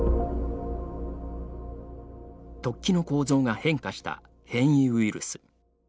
突起の構造が変化した変異ウイルス。